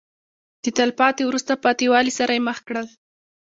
د تلپاتې وروسته پاتې والي سره یې مخ کړل.